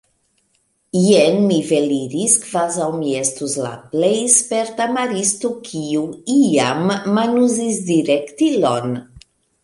Jen mi veliris kvazaŭ mi estus la plej sperta maristo, kiu iam manuzis direktilon.